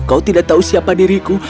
kau tidak tahu siapa diriku